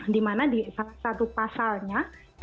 di mana di satu pasalnya